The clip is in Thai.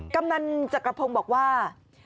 กำนันจักรพงศ์บอกว่า